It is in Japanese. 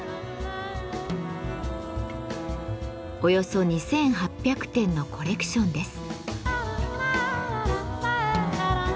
およそ２，８００点のコレクションです。